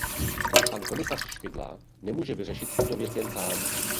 Pan komisař Špidla nemůže vyřešit tuto věc jen sám.